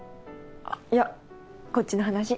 いやこっちの話。